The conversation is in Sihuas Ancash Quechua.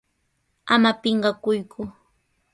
¡Ama pinqakuyku!